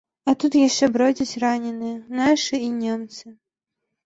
А тут яшчэ бродзяць раненыя, нашы і немцы.